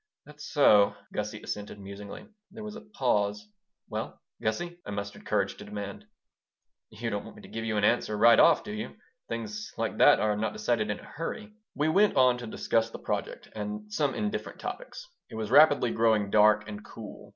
"That's so," Gussie assented, musingly. There was a pause "Well, Gussie?" I mustered courage to demand "You don't want me to give you an answer right off, do you? Things like that are not decided in a hurry." We went on to discuss the project and some indifferent topics. It was rapidly growing dark and cool.